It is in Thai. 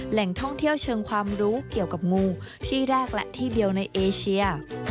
แหล่งท่องเที่ยวเชิงความรู้เกี่ยวกับงูที่แรกและที่เดียวในเอเชีย